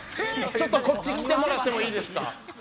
ちょっとこっち来てもらってもいいですか。